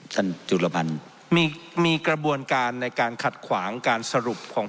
จุลมันมีมีกระบวนการในการขัดขวางการสรุปของ